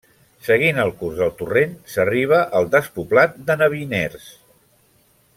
Seguint el curs del torrent s'arriba al despoblat de Nabiners.